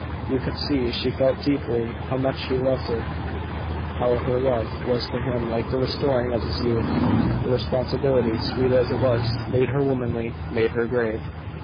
You could see she felt deeply how much he loved her how her love was to him like the restoring of his youth. The responsibility, sweet as it was, made her womanly, made her grave.